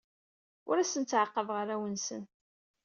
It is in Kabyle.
Ur asen-ttɛaqabeɣ arraw-nsen.